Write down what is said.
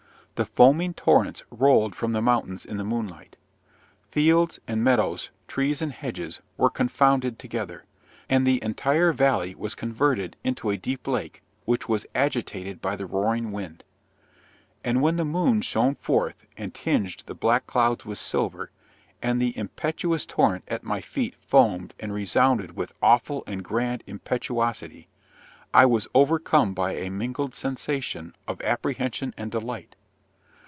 The foaming torrents rolled from the mountains in the moonlight, fields and meadows, trees and hedges, were confounded together; and the entire valley was converted into a deep lake, which was agitated by the roaring wind! And when the moon shone forth, and tinged the black clouds with silver, and the impetuous torrent at my feet foamed and resounded with awful and grand impetuosity, I was overcome by a mingled sensation of apprehension and delight.